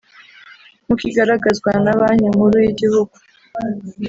nkuko igaragazwa na Banki Nkuru y’Igihugu